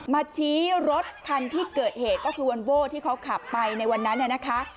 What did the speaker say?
มาชี้รถคันที่เกิดเหตุก็คือวันโว้ที่เขาขับไปในวันนั้นนะคะ